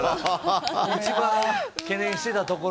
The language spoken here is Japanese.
一番懸念していたところ。